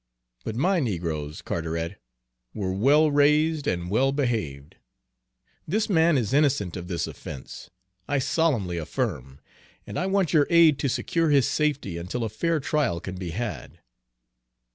But my negroes, Carteret, were well raised and well behaved. This man is innocent of this offense, I solemnly affirm, and I want your aid to secure his safety until a fair trial can be had."